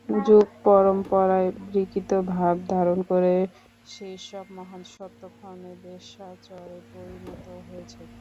যুগ-পরম্পরায় বিকৃত ভাব ধারণ করে সেইসব মহান সত্য ক্রমে দেশাচারে পরিণত হয়েছে।